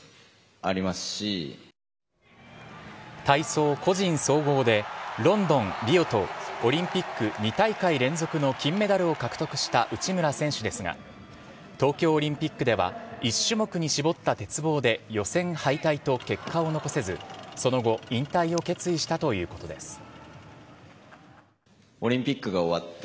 体操・個人総合でロンドン、リオとオリンピック２大会連続の金メダルを獲得した内村選手ですが東京オリンピックでは１種目に絞った鉄棒で予選敗退と結果を残せずその後引退を決意したということです。